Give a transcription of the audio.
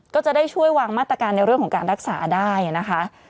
ก็จะได้ช่วยวางมาตรการในเรื่องของการรักษาได้นะคะ